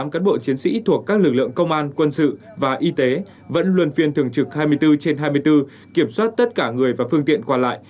một trăm linh cán bộ chiến sĩ thuộc các lực lượng công an quân sự và y tế vẫn luôn phiên thường trực hai mươi bốn trên hai mươi bốn kiểm soát tất cả người và phương tiện qua lại